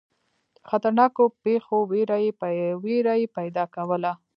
خطرناکو پیښو وېره یې پیدا کوله.